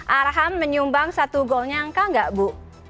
arham menyumbang satu gol nyangka gak bu